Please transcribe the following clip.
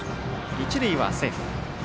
一塁はセーフ。